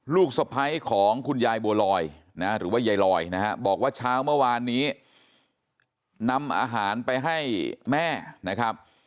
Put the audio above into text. ลูกสะพ้ายของคุณยายบัวลอยนะหรือว่ายายลอยนะฮะบอกว่าเช้าเมื่อวานนี้นำอาหารไปให้แม่นะครับ